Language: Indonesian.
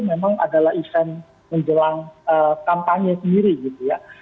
memang adalah event menjelang kampanye sendiri gitu ya